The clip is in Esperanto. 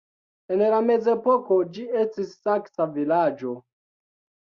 En la mezepoko ĝi estis saksa vilaĝo.